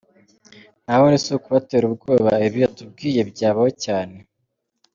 Naho ubundi si ukubatera ubwoba, ibi atubwiye byabaho cyane.